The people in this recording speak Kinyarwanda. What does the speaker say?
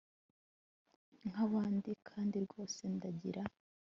nkabandi kandi rwose ndagira